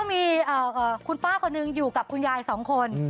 มีคุณป้าคนหนึ่งอยู่กับคุณยายสองคน